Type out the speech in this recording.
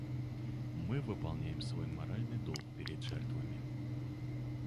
Мы выполняем свой моральный долг перед жертвами.